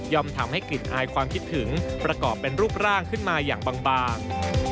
ทำให้กลิ่นอายความคิดถึงประกอบเป็นรูปร่างขึ้นมาอย่างบาง